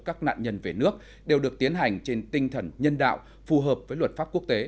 các nạn nhân về nước đều được tiến hành trên tinh thần nhân đạo phù hợp với luật pháp quốc tế